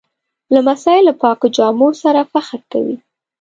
لمسی له پاکو جامو سره فخر کوي.